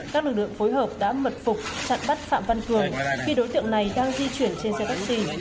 các lực lượng phối hợp đã mật phục chặn bắt phạm văn cường khi đối tượng này đang di chuyển trên xe taxi